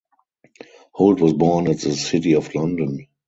Holt was born at the City of London.